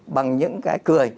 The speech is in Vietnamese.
bằng những cái cười